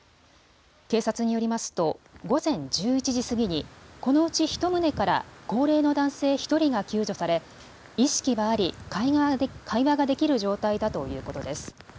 警察によりますと午前１１時過ぎにこのうち、１棟から高齢の男性１人が救助され意識はあり会話ができる状態だということです。